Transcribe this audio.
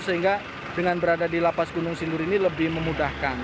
sehingga dengan berada di lapas gunung sindur ini lebih memudahkan